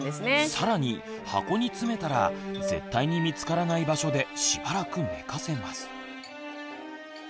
さらに箱に詰めたら絶対に見つからない場所でしばらく寝かせます。